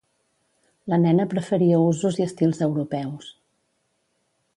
La nena preferia usos i estils europeus